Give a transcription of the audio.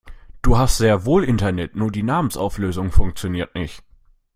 Du hast sehr wohl Internet, nur die Namensauflösung funktioniert nicht.